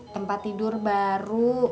tempat tidur baru